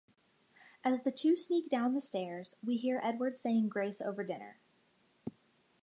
As the two sneak down the stairs, we hear Edward saying grace over dinner.